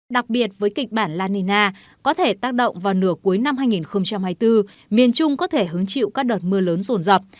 đặc biệt với kịch bản la nina có thể tác động vào nửa cuối năm hai nghìn hai mươi bốn miền trung có thể hứng chịu các đợt mưa lớn rồn rập